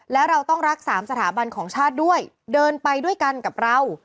แล้วเราต้องรักสามสถาบันของชาติด้วยเดินไปด้วยกันกับเรา